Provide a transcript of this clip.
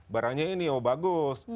barangnya ini oh bagus